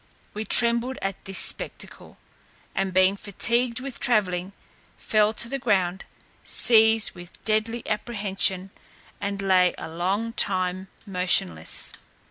We trembled at this spectacle, and being fatigued with travelling, fell to the ground, seized with deadly apprehension, and lay a long time motionless.